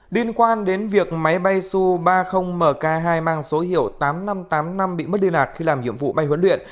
liên quan đến việc máy bay su ba mươi mk hai mang số hiệu tám nghìn năm trăm tám mươi năm bị mất liên lạc khi làm nhiệm vụ bay huấn luyện